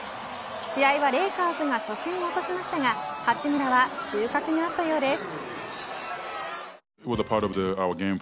試合はレイカーズが初戦を落としましたが八村は収穫があったようです。